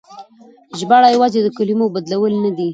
ژباړه يوازې د کلمو بدلول نه دي.